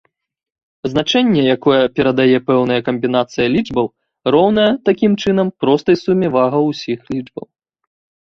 Значэнне, якое перадае пэўная камбінацыя лічбаў, роўнае, такім чынам, простай суме вагаў усіх лічбаў.